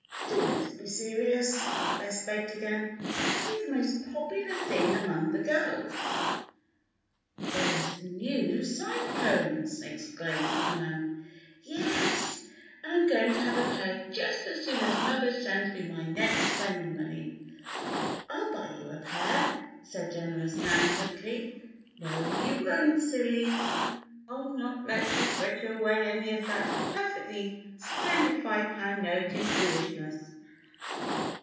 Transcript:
"Do let's be serious," Bess begged again. "What is the most popular thing among the girls?" "Those new side combs!" exclaimed Nan. "Yes and I'm going to have a pair just as soon as mother sends me my next spending money." "I'll buy you a pair," said generous Nan, quickly. "No, you won't, silly! I'll not let you fritter away any of that perfectly splendid five pound note in foolishness."